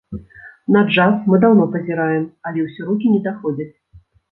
На джаз мы даўно пазіраем, але ўсё рукі не даходзяць.